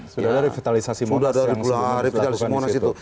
sudah ada revitalisasi monas yang dilakukan disitu